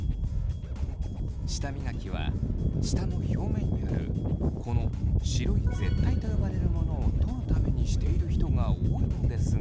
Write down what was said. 舌磨きは舌の表面にあるこの白い舌苔と呼ばれるものを取るためにしている人が多いのですが。